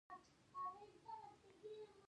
ځکه هر یوه په یوه څانګه کې تخصص درلود